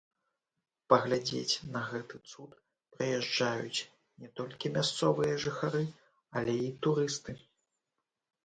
Паглядзець на гэты цуд прыязджаюць не толькі мясцовыя жыхары, але і турысты.